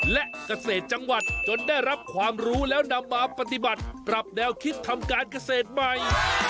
และเกษตรจังหวัดจนได้รับความรู้แล้วนำมาปฏิบัติปรับแนวคิดทำการเกษตรใหม่